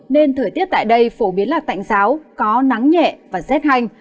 nên thời tiết tại đây phổ biến là tạnh sáo có nắng nhẹ và rét hành